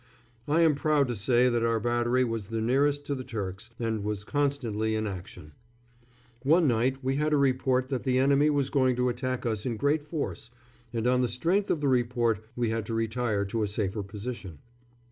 I am proud to say that our battery was the nearest to the Turks, and was constantly in action. One night we had a report that the enemy was going to attack us in great force, and on the strength of the report we had to retire to a safer position.